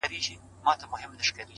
• چي را نه سې پر دې سیمه پر دې لاره,